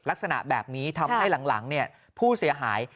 ลักษณะแบบนี้ทำให้หลังผู้เสียหาย